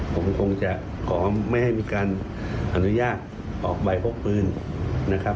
ผมคงจะขอไม่ให้มีการอนุญาตออกใบพกปืนนะครับ